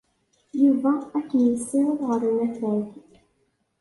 Yuba ad kem-yessiweḍ ɣer unafag.